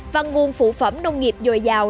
và nguồn phụ phẩm nông nghiệp dồi dào